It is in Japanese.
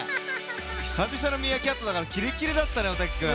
ひさびさのミーアキャットだからキレキレだったねおたけくん。